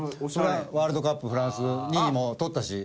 ワールドカップフランス２位も取ったし。